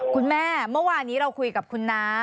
คุณแม่เมื่อวานนี้เราคุยกับคุณน้า